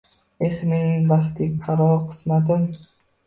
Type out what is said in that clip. Eh, mening baxtiqaro qismatim